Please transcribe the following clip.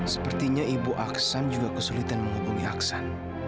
sepertinya ibu aksan juga kesulitan menghubungi aksan